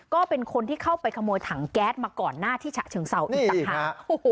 ก็เป็นคนที่เข้าไปขโมยถังแก๊สมาก่อนหน้าที่ฉะเชิงเศร้าอีกต่างหาก